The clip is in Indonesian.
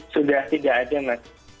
sudah tidak ada mas